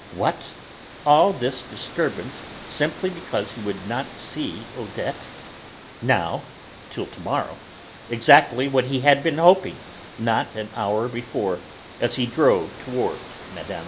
What! all this disturbance simply because he would not see Odette, now, till to morrow, exactly what he had been hoping, not an hour before, as he drove toward Mme.